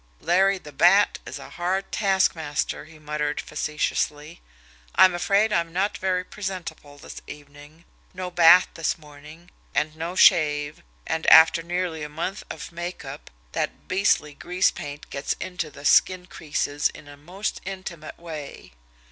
"Larry the Bat, is a hard taskmaster!" he muttered facetiously. "I'm afraid I'm not very presentable this evening no bath this morning, and no shave, and, after nearly a month of make up, that beastly grease paint gets into the skin creases in a most intimate way."